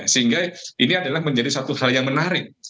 sehingga ini adalah menjadi satu hal yang menarik